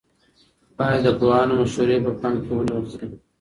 باید د پوهانو مشورې په پام کې ونیول سي.